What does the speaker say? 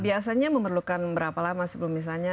biasanya memerlukan berapa lama sebelum misalnya